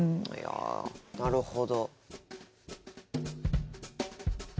なるほど。